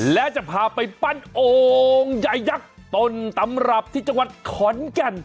และจะพาไปปั้นโอ่งใหญ่ยักษ์ต้นตำรับที่จังหวัดขอนแก่น